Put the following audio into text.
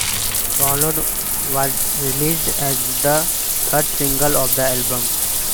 "Followed" was released as the third single of the album.